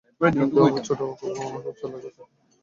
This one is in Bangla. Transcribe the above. কিন্তু আমার ছোট মামা খুব চালাক, তিনি আমাকে দেখলে লুকিয়ে পড়েন।